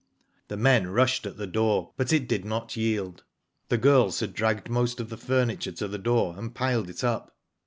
The men rushed at the door, but it did not yield. The girls had dragged most of the furniture to the door, and piled it up.